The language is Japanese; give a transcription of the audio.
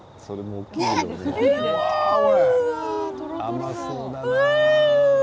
甘そうだな。